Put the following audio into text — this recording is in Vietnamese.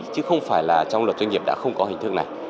chứ không phải là trong luật doanh nghiệp đã không có hình thức này